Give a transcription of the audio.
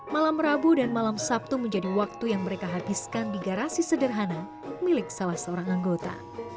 malam rabu dan malam sabtu menjadi waktu yang mereka habiskan di garasi sederhana milik salah seorang anggota